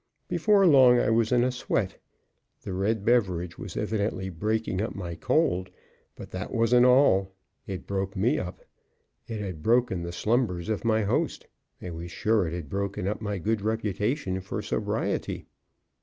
Before long I was in a sweat. The red beverage was evidently breaking up my cold, but that wasn't all. It broke me up; it had broken the slumbers of my host; I was sure it had broken up my good reputation for sobriety.